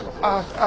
ああ。